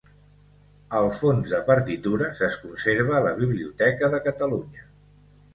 El fons de partitures es conserva a la Biblioteca de Catalunya.